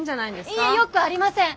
いいえよくありません！